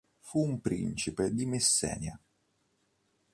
Fu un principe di Messenia.